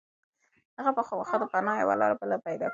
هغه به خامخا د پناه یوه بله لاره پيدا کړي.